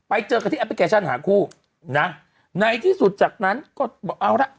ไปเจอกันที่แอปพลิเคชันหาคู่นะในที่สุดจากนั้นก็บอกเอาละ